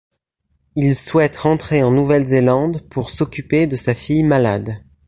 Il souhaite rentrer en Nouvelle-Zélande pour s'occuper de sa fille malade.